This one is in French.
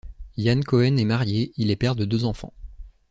Jan Coene est marié, il est père de deux enfants.